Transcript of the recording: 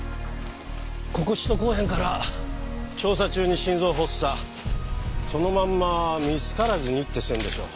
ここ人来おへんから調査中に心臓発作そのまんま見つからずにって線でしょう。